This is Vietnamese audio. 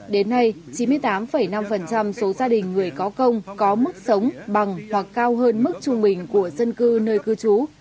đến nay chín mươi tám năm số gia đình người có công có mức sống bằng hoặc cao hơn mức trung bình của dân cư nơi cư trú